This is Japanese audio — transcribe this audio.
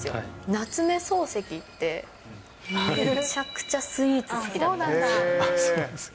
夏目漱石って、めちゃくちゃスイーツ好きだったんですよ。